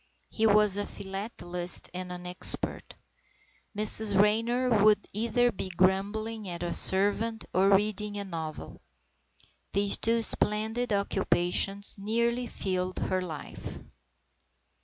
He was a philatelist and an expert. Mrs Raynor would either be grumbling at a servant or reading a novel. These two splendid occupations nearly filled her life.